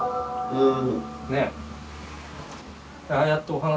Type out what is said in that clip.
うん。